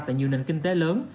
tại nhiều nền kinh tế lớn